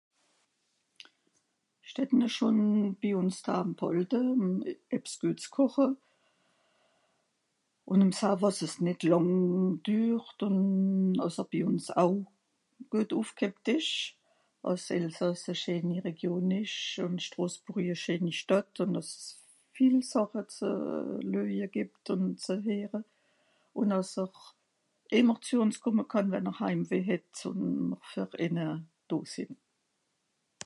Ìch dätt ne schon bi ùn d'haam bhàlte, ebbs güets koche... ùn sawe, àss es nìt làng dürrt, ùn àssrr bi ùns au guet ùfghebt ìsch, àss s'Elsàss e scheeni Region ìsch, ùn Strosbùrri e scheeni Stàdt ùn àss's viel Sàche ze lueje gìbbt ùn ze heere, ùn àss'r ìmmer zü ùns kùmme kànn, wenn'r Heimweh het ùn mìr wère ìmmer do sìnn.